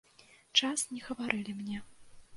Час не гаварылі мне.